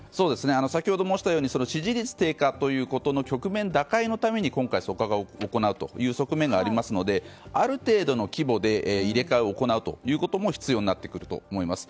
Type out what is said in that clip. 先ほど申したように支持率低下ということの局面打開のために今回組閣を行うということですのである程度の規模で入れ替えを行うことも必要になってくると思います。